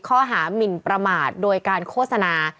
หมินประมาทโดยการโฆษณา